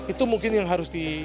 itu mungkin yang harus di